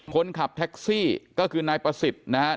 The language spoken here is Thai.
คนขับแท็กซี่ก็คือนายประสิทธิ์นะครับ